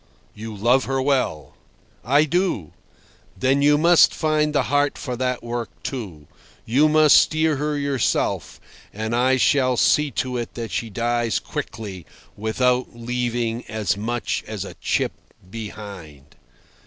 "You love her well?" "I do." "Then you must find the heart for that work too. You must steer her yourself, and I shall see to it that she dies quickly, without leaving as much as a chip behind."